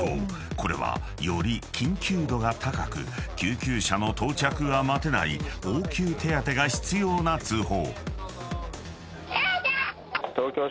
［これはより緊急度が高く救急車の到着が待てない応急手当てが必要な通報］